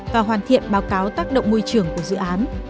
và hoàn thiện báo cáo tác động môi trường của dự án